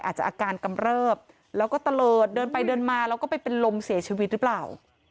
อาการกำเริบแล้วก็ตะเลิศเดินไปเดินมาแล้วก็ไปเป็นลมเสียชีวิตหรือเปล่า